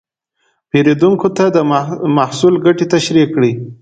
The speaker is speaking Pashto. پیرودونکي ته د محصول ګټې تشریح کړئ.